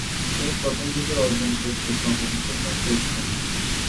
তিনি প্রথমদিকের অর্জুন পুরস্কার প্রাপকদের মধ্যে একজন।